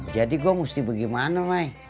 jadi gue mesti bagaimana mai